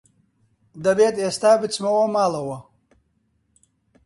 دەبێت ئێستا بچمەوە ماڵەوە.